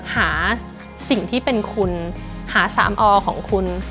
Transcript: หาสิ่งที่เป็นคุณหาสามอของคุณ